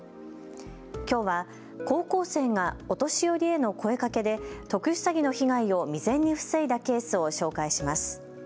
きょうは高校生がお年寄りへの声かけで特殊詐欺の被害を未然に防いだケースを紹介します。